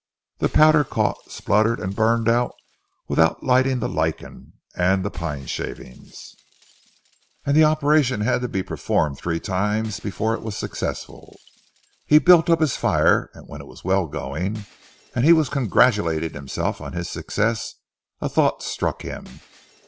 The powder caught, spluttered and burned out without lighting the lichen and the pine shavings, and the operation had to be performed three times before it was successful. He built up his fire, and when it was well going, and he was congratulating himself on his success a thought struck him.